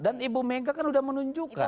dan ibu megah kan sudah menunjukkan